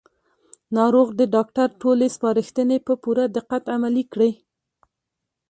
ناروغ د ډاکټر ټولې سپارښتنې په پوره دقت عملي کړې